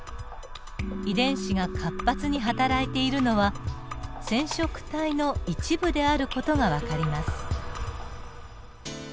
遺伝子が活発にはたらいているのは染色体の一部である事が分かります。